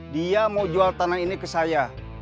dia mau jual tanah ini ke saya